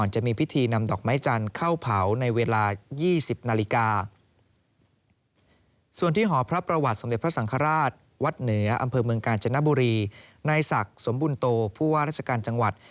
จากสมบูรณ์โตผู้ว่าราชการจังหวัด